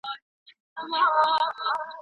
په سپینه ورځ درته راځم د دیدن غل نه یمه